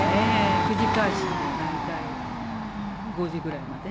９時開始で大体５時ぐらいまで。